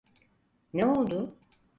Ne oIdu?